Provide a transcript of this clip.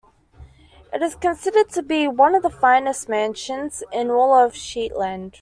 It is considered to be one of the finest mansions in all of Shetland.